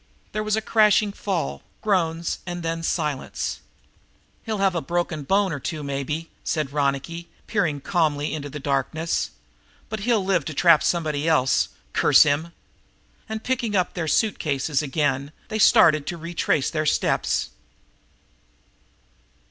There was a crashing fall, groans and then silence. "He'll have a broken bone or two, maybe," said Ronicky, peering calmly into the darkness, "but he'll live to trap somebody else, curse him!" And, picking up their suit cases again, they started to retrace their steps.